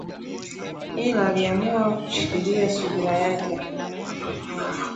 Ila aliamua kushikilia subira yake